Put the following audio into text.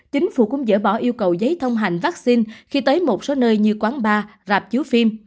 chính phủ cũng dỡ bỏ yêu cầu giấy thông hành vaccine khi tới một số nơi như quán bar rạp chiếu phim